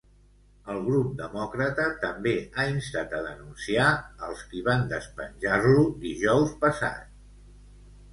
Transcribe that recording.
El grup demòcrata també ha instat a denunciar els qui van despenjar-lo dijous passat.